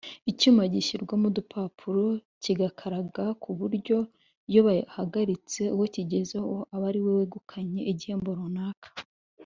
icyuma gishyirwamo udupapuro kigakaraga ku buryo iyo bahagaritse uwo kigezeho aba ariwe wegukanye igihembo runaka